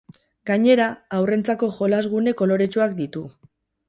Gainera, haurrentzako jolas gune koloretsuak ditu.